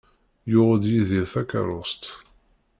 Yuɣ-d Yidir takerrust.